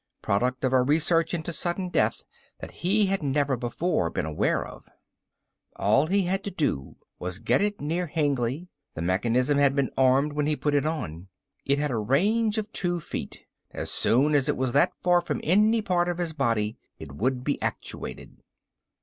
Product of a research into sudden death that he had never been aware of before. All he had to do was get it near Hengly, the mechanism had been armed when he put it on. It had a range of two feet. As soon as it was that far from any part of his body it would be actuated.